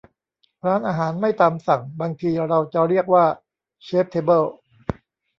ร้านอาหารไม่ตามสั่ง บางทีเราจะเรียกว่าเชพเทเบิล